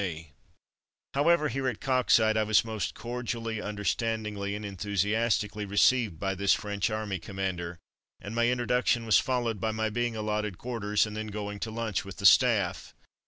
Cordial Reception i6i However, here at Coxyde, I was most cordially, understandingly, and enthusiasti cally received by this French Army com mander, and my introduc tion was fol lowed by my being allotted quarters and then going to lunch with the staff.